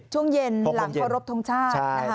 ช่วงเย็นหลังพอรบทรงชาติ